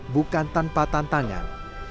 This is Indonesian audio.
bukan tanpa tantangan